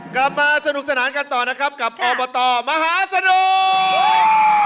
กลับมาสนุกสนานกันต่อนะครับกับอบตมหาสนุก